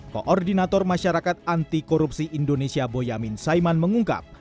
koordinator masyarakat anti korupsi indonesia boyamin saiman mengungkap